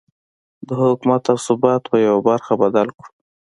د حکومت او ثبات په يوه برخه بدل کړو.